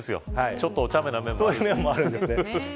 ちょっとおちゃめな面もある。